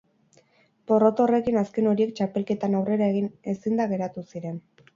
Porrot horrekin azken horiek txapelketan aurrera egin ezinda geratu ziren.